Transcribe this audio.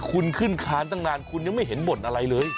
คุณขึ้นคานตั้งนานคุณยังไม่เห็นบ่นอะไรเลย